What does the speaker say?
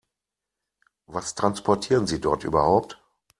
Was transportieren Sie dort überhaupt?